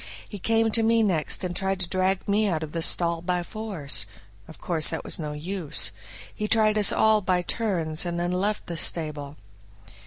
He came to me next and tried to drag me out of the stall by force; of course that was no use. He tried us all by turns and then left the stable.